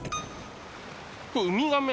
ウミガメ？